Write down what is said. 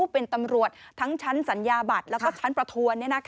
เป็นตำรวจทั้งชั้นสัญญาบัตรแล้วก็ชั้นประทวน